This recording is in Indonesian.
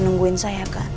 mereka nungguin saya kan